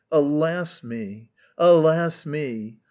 _ Alas me! alas me!